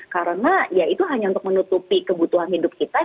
karena ya itu hanya untuk menutupi kebutuhan hidup kita